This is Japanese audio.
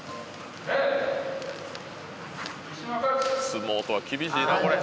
相撲とは厳しいなこれ。